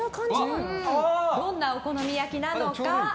どんなお好み焼きなのか。